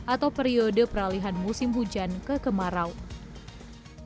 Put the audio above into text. atau periode peralihan musim hujan ke kemarau saat ini kita masih memalukan memasuki pancaroba